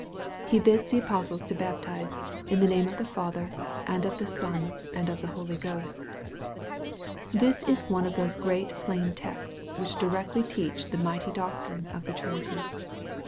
He bids the apostles to baptize " in the name of the Father, and of the Son, and of the Holy Ghost." This is one of those great plain texts which directly teach the mighty doctrine of the Trinity.